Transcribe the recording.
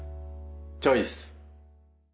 チョイス！